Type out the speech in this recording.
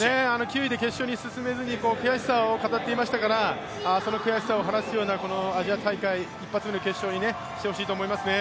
９位で決勝に進めずに悔しさを語っていましたからその悔しさを晴らすようなアジア大会にしてほしいですね。